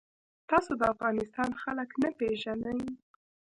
تاسو د افغانستان خلک نه پیژنئ.